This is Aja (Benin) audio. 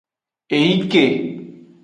Eyi ke.